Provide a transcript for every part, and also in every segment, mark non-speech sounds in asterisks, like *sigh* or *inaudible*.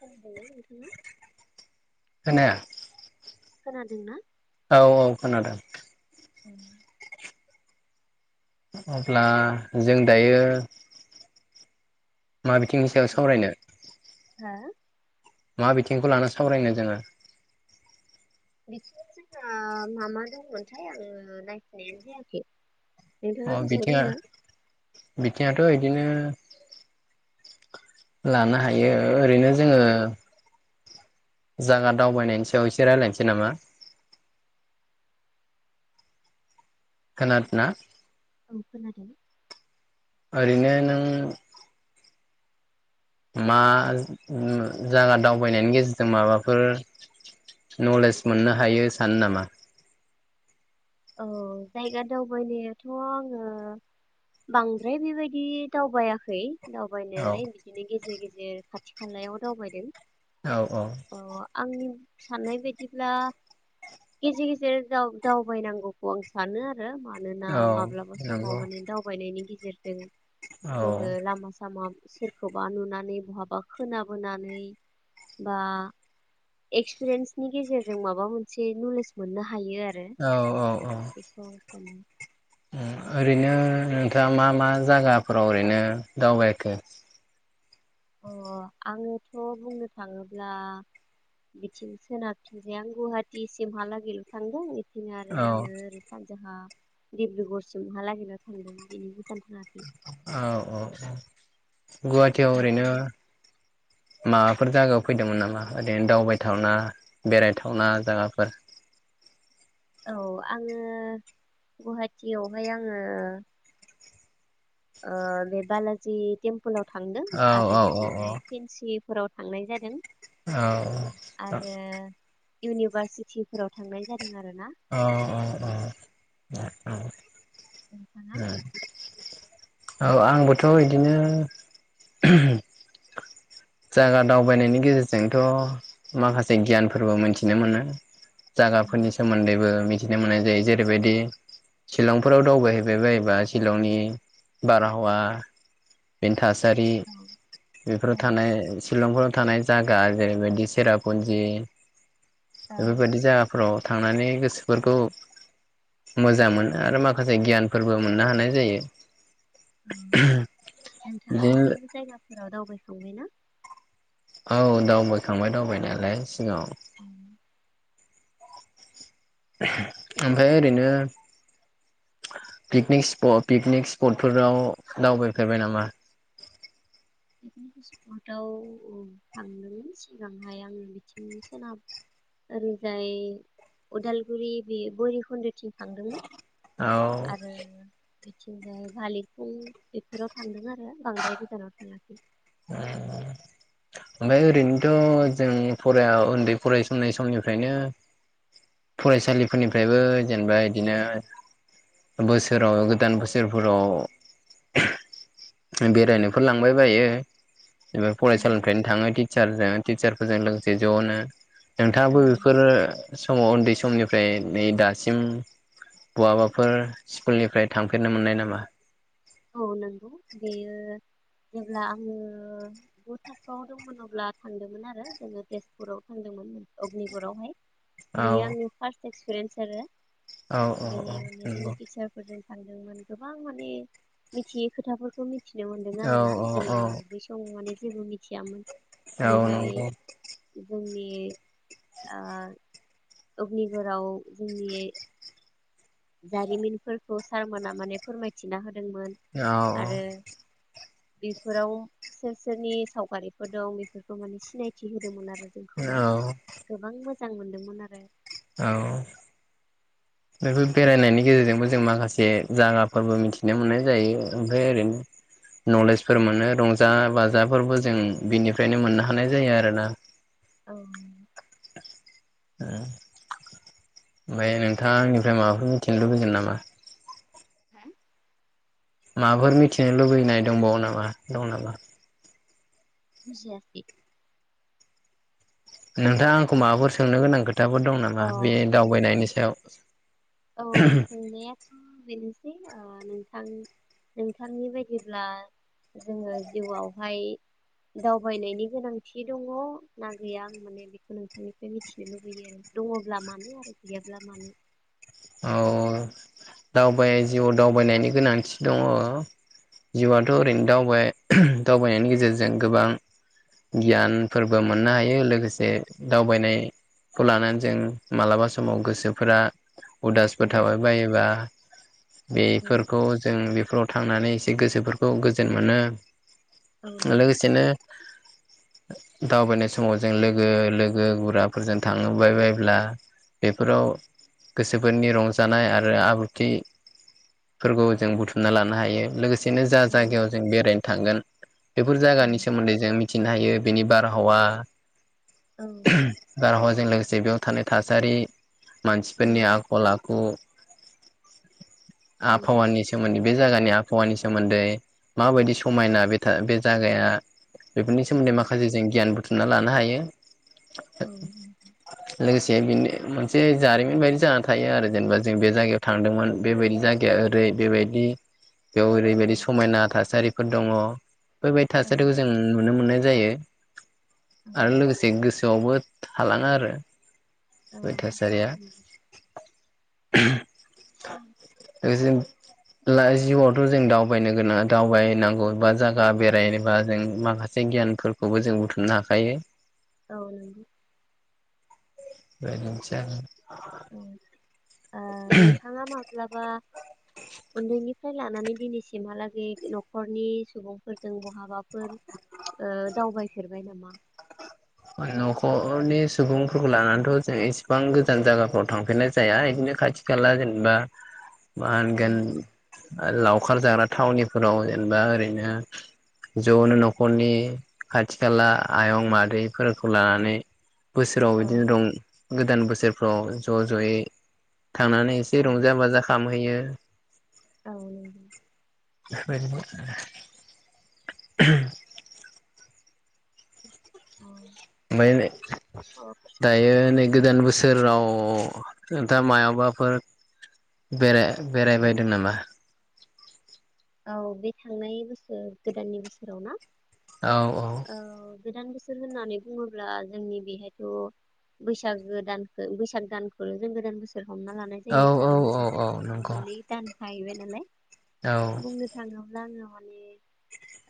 खोनादों ना नोंथाङा? खोनाया। खोनादोंना? औ औ खोनादों। उम अब्ला जों दायो। मा बिथिंनि सायाव सावरायनो। हो मा बिथिंखौ लाना सावरायनो जोङो। बिदिनो जोंहा मा मा दंमोनथाय आङो नायफैनायानो जायाखै। नोंथाङा अ गोसोआव बिथिङा दंना? बिथिङाथ बिदिनो लानो हायो ओरैनो जोङो जागा दावबायनायनि सायाव एसे रायलायनोसै नामा? खोनानादोंना। ‌ *unintelligible* ओरैनो नों मा जाइगा दावबायनायनि गेजेरजों माबाफोर नलेज मोननो हायो सानो नामा? औ जायगा दावबायनायाथ आङो बांद्राय बेबायदि दावबायाखै औ दावबायनायालाय बिदिनो गेजेर गेजेर खाथि खालायाव दावबायदों। औ औ अ आंनि साननाय बायदिब्ला गेजेर गेजेर दाव दाव बायनांगौखौ आं सानो आरो आरो मानोना औ माब्लाबा समाव नंगौ माने दावबायनायनि गे जेरजों औ जोड़ो लामा सामा सोरखौबा नुनानै बहाबा खोनाबोनानै बा एक्सपिरियेन्सनि गेजेरजों माबा मोनसे नलेज मोननो हायो आरो। औ औ औ बेखौ आं सानो ओ ओरैनो नोंथाङा मा मा जायगाफोराव ओरैनो दावबायखो अ आङोथ' बुंनो थाङोब्ला बिथिं सोनाबथिंजाय आं गुवाहाटिसिमहालागै थांदों। बिदिनो आरो औ आंङो ओरै सानजाहा डिब्रुगरसिमहालागैल थांदों बेनि गोजान थाङाखै औ-औ-औ गुवाहाटियाव ओरैनो नोंथाङा माबाफोर जागायाव फैदोंमोन नामा ओरैनो दावबायथावना बेरायथावना जायगाफोर औ आङो गुवाहाटियावहाय आङो ओ बे बालाजि तेम पललाव थांदों औ आरो औ औ औ बिथिंजाय फेनसि फोराव थांनाय जादों। औ ओ आरो इउनिभारसिटिफोराव थांनाय जादों आरोना अ अ अ औ। नोंथाङा ओं औ आंबोथ इदिनो जायगा दावबायनायनि गेजेरजोंथ' माखासे गियानफोरबो मोनथिनो मोनो। जाइगाफोरनि सोमोन्दैबो मिथि मिथिनो मोननाय जायो जेरैबायदि शिलंफोराव दावबायहैबाय बायोबा शिलंनि बारहावा बेनि थासारि औ बेफोर एह शिलंफोराव थानाय जायगा जेरैबायदि सेरापुन्जि औ बेफोरबायदि जायगाफोराव थांनानै गोसोफोरखौ मोजां मोनो आरो माखासे गियानफोरबो मोननो हानाय जायो। नोंथाङा बिदिनो बेफोर जायगाफोराव दाव बायखांबाय ना औ दावबायखांबाय दावबायनायालाय सिगाङाव। उम ओमफाय ओरैनो पिकनिक स्टक, पिकनिक स्पटफोराव दावबायफेरबाय नामा? पिकनिक स्पटाव थांदोंमोन सिगांहाय आङो बिथिं सोनाब ओरैजाय उदालगुरि बे भैरुखुन्दुथिं थांदोंमोन औ आरो बिथिंजाय भालिफुं बेफोराव थांदों आरो बांद्राय गोजानाव थाङाखै। ओ ओमफाय ओरैनोथ' जों फराय औ उन्दै फरायसिलि समनिफ्रायनो फरायसालिफोरनिफ्रायबो जेनेबा बिदिनो बोसोराव गोदान बोसोरफोराव बेरायनोफोर लांबाय बायो। एबा औ फरायसालिनिफ्रायनो थाङो टिसारजों, टिसारफोरजों लोगोसे ज'नो। नोंथाङाबो औ बेफोरो समाव, उन्दै समनिफ्राय नै दासिम बहाबाफोर स्कुलनिफ्राय थांफेरनो मोननाय नामा? औ नंगौ बेयो जेब्ला आङो गु थाखोआव दंमोन अब्ला थांदोंमोन आरो जोङो तेजपुराव थांदोंमोन अग्निगरावहाय। औ बियो आंनि फार्स एक्सपिरेन्स आरो औ औ औ बेनि माने जोङो नंगौ टिचारफोरजों सानदोंमोन गोबां माने मिथियै खोथाफोरखौ मि थिनो मोन्दों आरो औ ना औ औ जोङो बै समाव माने जेबो मिथियामोन औ बेहाय नंगौ जोंनि इ ओ। अग्निगराव जोंनि जारिमिनफोरखौ सारमोना माने फोरमायथिना होदों। मोन औ आरो बेफोराव सोर सोरनि सावगारिफोर दं बेफोरखौ माने सिनायथि होदोंमोन आरो। औ जोंखौहाय गोबां मोजां मोजां मोनदोंमोन आरो औ बेफोर बेरायनायनि गेजेरजोंबो जों माखासे जागाफोरबो मिथिनो मोननाय जायो ओमफ्राय ओरैनो नलेजफोर मोनो रंजा-बाजा जा फोरबो जों बिनिफ्रायनो मोननो हानाय जायो आरोना औ। ओ ओमफाय नोंथाङा आंनिफ्राय माबाफोर मिथिनो लुबैगोन नामा? हो माबाफोर मिथिनो लुबैनाय दंबावो नामा? दं नामा? बुजियाखै नोंथाङा आंखौ माबाफोर सोंनो गोनां खो थाफोर दं अ नामा बे दावबायनायनि सायाव? औ सोंनायाथ' बेनो। ओ नोंथां नोंथांनि बायदिब्ला जोङो जिउआवहाय दावबायनायनि गोनांथि दङ ना गैया आं माने बेखौ नोंथांनिफ्राय मिथिनो लुबैयो आरो दङब्ला मानो आरो गैयाब्ला मानो? औ दावबाय जिउआव दावबायनायनि गोनांथि दङ जिउआथ' ओरैनो दावबाय दावबायनायनि गेजेरजों गोबां गियान। फोरबो औ मोननो हायो लोगोसे दावबायनायखौ लानानै जों मालाबा समाव गोसोफोरा। औ उदासफोर थाबाय बायोबा औ बेफोरखौ जों बेफोराव थांनानै एसे गोसोफोरखौ गोजोन मोनो। औ लोगोसेनो दावबायनाय समाव जों लोगो लोगो गुराफोरजों थांबाय बायोब्ला बेफोराव गोसोफोरनि रंजानाय आरो आब्रुथिफोरखौ जों बुथुमना लानो हायो लोगोसे बिदिनो जा नंगौ जायगायाव जों बेरायनो थांगोन। बेफोर औ जागानि सोमोन्दै जों मिथिनो थायो बिनि बारहावा औ। जों लोगोसे बेयाव थानाय थासारि मानसि औ फोरनि आखल आखु नंगौ आबहावानि सोमोन बे जागानि आबहावानि सोमोन्दै माबायदि समायना बे बे जागाया। बेफोरनि सोमोन्दै औ माखासे जों गियान बुथुमना लानो हायो। औ दे बिनो मोनसे जारिमिन बे बदि जाना थायो आरो जेनेबा जों बे जायगायाव थांदोंमोन बेबायदि जायगाया ओरै बेबायदि। बेयाव औ ओरैबायदि समायना थासारि। फोर दंङ। बेफोरबायदि औ थासारिखौ जों नुनो मोननाय जायो आरो लोगोसे गोसो रावबो थालाङा आरो। औ बे थासारिया *inaudible* बे जों ला जिउआवथ' जों दावबायनो गोनां दावबायनांगौ बा जायगा बेरायबा जों माखासे गियानफोरखौबो जों बुथुमनो हाखायो। औ नंगौ *unintelligible* औ ओ नोंथाङा ओ माब्लाबा उन्दैनिफ्राय लानानै दिनैसिमहालागै न'खरनि सुबुंफोरजों बहाबाफोर ओ दावबायफेरबाय नामा? न'खरनि सुबुंफोरखौ लानानैथ' जों इसिबां गोजान जायगाफ्राव थांफेरनाय जाया बिदिनो खाथि खाला जेनेबा मा औ होनगोन? ओ लावखार जाना थावनिफोराव जेनेबा ओरैनो ज'नो न'खरनि खाथि खाला आयं मादै फोरखौ लानानै। बोसोराव औ बिदिनो दं गोदान बोसोर फ्र ज'ज'यै थांनानै औ एसे रंजा बाजा खामहैयो। औ नंगौ *inaudible* *inaudible* औ *unintelligible* दायो नै गोदान बोसो बोसोराव दा मायावबाफोर बे बेरायबायदों नामा? औ बे थांनाय बोसोर गोदाननि बोसोराव ना? औ औ गोदान बोसोर होननानै बुङोब्ला जोंनि बेहायथ' बैसागो दानखौ बैसाग दानखौ जों गोदान बोसोर हमना लानाय औ जायो औ आरो औ बिथिं औ जाय नंगौ मोननै दान थाहैबाय नालाय औ बुंनो थाङोब्ला आङो माने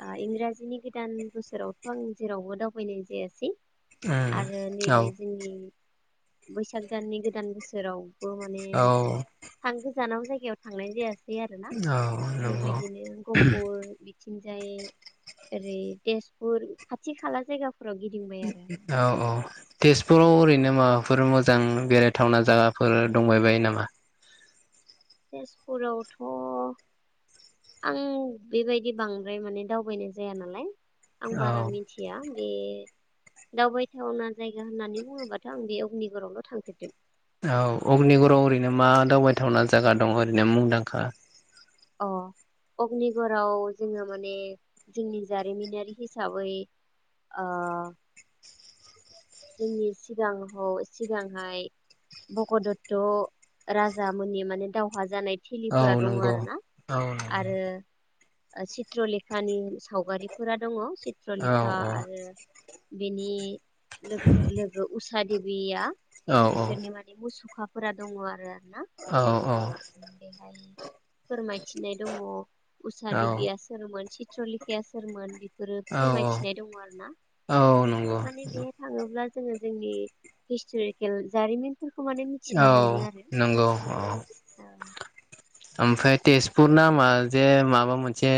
ओ इंराजिनि गोदान बोसोरावथ' आं जेरावबो दावबायनाय जायासै। उम आरो नैबे औ जोंनि बैसाग दाननि गोदान बोसोराव बो माने औ *unintelligible* जानाव जायगायाव थांनाय जायास औ। नंगौ बेबायदिनो गहफुर थिंजाय ओरै तेजपुर खाथि खाला जायगा औ औ तेजपुर ओरैनो माबाफोर मोजां बेरायथावना जागाफोर दंबाय बायो नामा? तेजपुरावथ' आं बेबायदि बांद्राय माने दावबायनाय जाया नालाय आं औ बारा मिथिया। बे दावबायथावना जायगा होननानै बुङोबाथ' आं बे अग्निगरावल' थांफेरदों। औ अग्निगराव ओरैनो मा दावबायथावना जागा दं ओरैनो मुंदांखा? अ अग्निगराव जोङो माने जोंनि जारिमिनारि हिसाबै ओ जोंनि सिगाङाव सिगांहाय भगदत्त राजामोनि माने दावहा जानाय औ थिलिफोरा दङ नंगौ आरोना औ आरो ओ चित्र लेखानि सावगारिफोरा दङ। औ चित्रलेखा आरो बेनि लोगो उसादेबिया औ बिसोरनि माने मुसु अखाफोरा दङ आरो *inaudible* औ फोरमायथिनाय दङ उसा देबिया सोरमोन चित्रलेखाया सोरमोन? बेफोरो औ फोरमायथिनाय दङ आरो ना औ नंगौ माने बे थाङोब्ला जोङो जोंनि हिसतरिखेल जारिमिन औ नंगौ अ ओमफ्राय तेजपुर नामा जे माबा मोनसे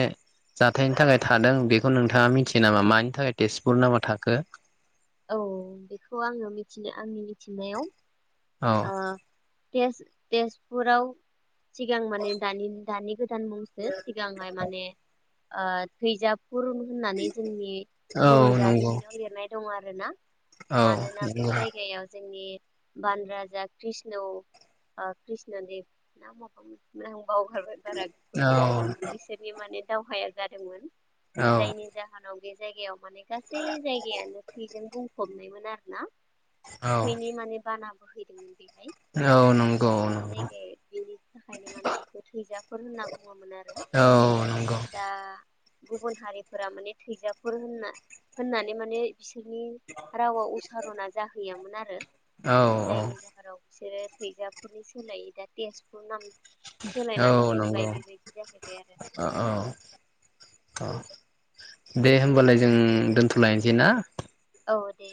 जाथायनि थाखाय थादों बेखौ नोंथाङा मिथियो नामा मानि थाखाय तेजपुर नामा थाखो? औ बेखौ आङो मिथिनो आंनि मिथिनायाव औ तेज-तेजपुराव सिगां माने दानि दानि गो भुटान मुंसो सिगांहाय माने ओ थैजाब। रुल होननानै जोंनि बर' औ नंगौ जारिमिनाव लिरनाय दं आरो। ना औ मानोना बे नंगौ जायगायाव जोंनि बान राजा रा कृष्ण ओ कृष्णदे ना बावगारबाय बारा गोसोयाव गैया औ बिसोरनि माने दावहाया जादोंमोन। औ जायनि जाहोनाव जायगायाव माने। गासै जायगायानो थैजों बुं हमनायमोन आरो ना औ थैनि माने बाना *inaudible* बेहाय औ नंगौ बे नंगौ जायगायाव बेनि थाखायनो माने बेखौ थैजाफोर होनना बुङोमोन आरो औ नंगौ दा गुबुन हारिफोरा माने थैजाफोर होनना होननानै माने बिसोरनि रावाव उसारना जाहैयामोन। नारो औ औ जायनि जाहोनाव बिसोरो फैजाफुरनि सोलाययै दा तेजपुर नाम औ सोलायनानै दोनबाय नंगौ बेबायदि जाहैबाय आरो ओ औ अ दे होमबालाय जों दोनथलायनोसै ना औ दे।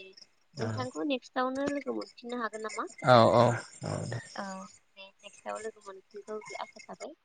नोंथांखौ नेक्स्ट आवनो लोगो मोनफिननो हा औ औ औ दे। दे नेक्स्टआव लोगो मोनफिनगौ आसा थाबाय।